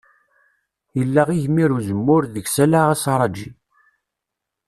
Ila igmir n uzemmur deg-s ala aserraǧi.